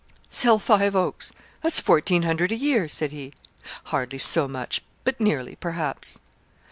'Sell Five Oaks that's fourteen hundred a year,' said he. 'Hardly so much, but nearly, perhaps.'